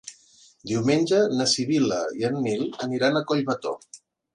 Diumenge na Sibil·la i en Nil aniran a Collbató.